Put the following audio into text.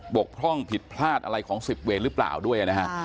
กพร่องผิดพลาดอะไรของ๑๐เวรหรือเปล่าด้วยนะฮะ